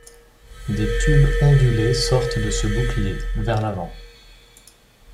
Des tubes ondulés sortent de ce bouclier, vers l'avant.